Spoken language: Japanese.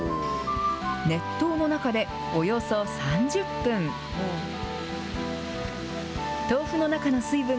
熱湯の中でおよそ３０分。